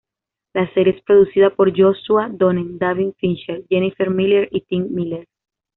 La serie es producida por Joshua Donen, David Fincher, Jennifer Miller, y Tim Miller.